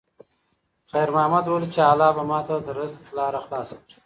خیر محمد وویل چې الله به ماته د رزق لاره خلاصه کړي.